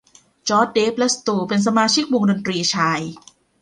จอส เดฟ และสตูเป็นสมาชิกวงดนตรีชาย